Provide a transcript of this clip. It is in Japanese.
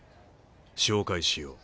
紹介しよう。